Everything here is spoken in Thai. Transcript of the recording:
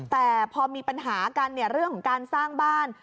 แต่พอมีปัญหากันเรื่องของการสร้างบ้าน